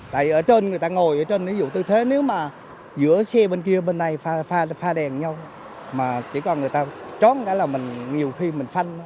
tại ở trên người ta ngồi ở trên ví dụ tư thế nếu mà giữa xe bên kia bên này pha đèn nhau mà chỉ còn người ta trót một cái là nhiều khi mình phanh